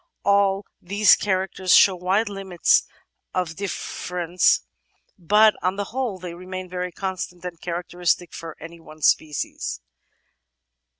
All these characters show wide limits of diflFerence, but on the whole they remain very constant and characteristic for any one species.